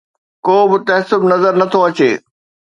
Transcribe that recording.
ڪوبه تعصب نظر نٿو اچي